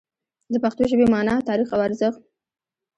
د پښتو ژبې مانا، تاریخ او ارزښت